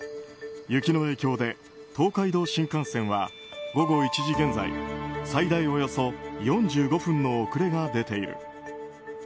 雪の影響で東海道新幹線は午後１時現在最大およそ４５分の遅れが出ている。